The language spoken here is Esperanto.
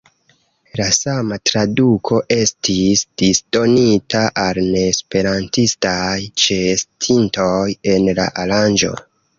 La sama traduko estis disdonita al neesperantistaj ĉeestintoj en la aranĝo.